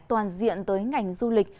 toàn diện tới ngành du lịch